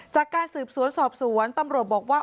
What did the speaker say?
จากการสืบสวนสอบสวนตำรวจบอกว่า